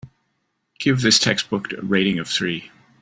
Give this textbook a rating of three.